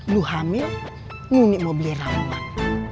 lu hamil ngunik mau beli ramuan